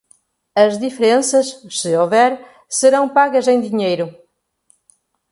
As diferenças, se houver, serão pagas em dinheiro.